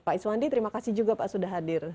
pak iswandi terima kasih juga pak sudah hadir